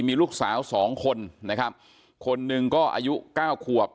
มีลูกสาวสองคนนะครับคนหนึ่งก็อายุเก้าขวบ